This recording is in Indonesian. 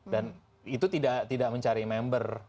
dan itu tidak mencari member